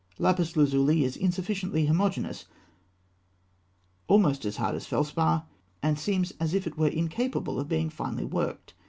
Lapis lazuli is insufficiently homogeneous, almost as hard as felspar, and seems as if it were incapable of being finely worked.